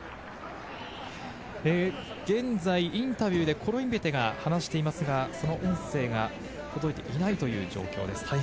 現在、インタビューでコロインベテが話していますが、その音声が届いていないという状況です。